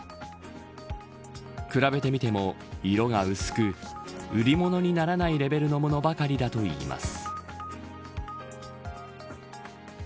比べてみても色が薄く売り物にならないレベルのものばかりだといいます。